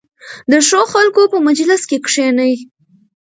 د ښو خلکو په مجلس کې کښېنئ.